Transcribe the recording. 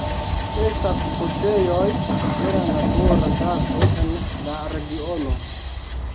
Estas kuŝejoj de natura gaso en la regiono.